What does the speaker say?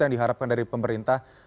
yang diharapkan dari pemerintah